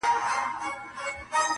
څه غزل غزل راګورې څه ټپه ټپه ږغېږې,